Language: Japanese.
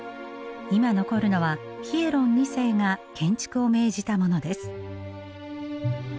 今残るのはヒエロン二世が建築を命じたものです。